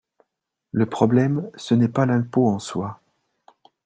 Le problème, ce n’est pas l’impôt en soi.